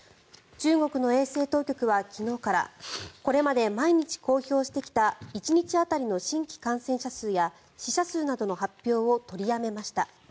中国の衛生当局は昨日からこれまで毎日公表してきた１日当たりの新規感染者数や死者数などの発表を取りやめました。